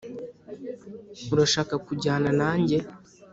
urashaka kujyana nanjye